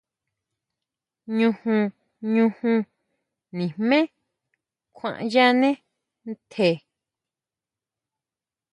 Ñujun, ñujun nijmé kjuayánee ntje.